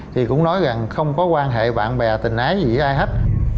thì cũng nói rằng không có quan hệ bạn bè tình ái gì ai hết